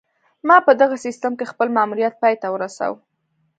ما په دغه سیستم کې خپل ماموریت پای ته ورسوو